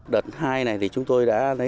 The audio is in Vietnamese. đợt hai này thì chúng tôi đã lấy